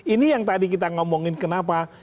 ini yang tadi kita ngomongin kenapa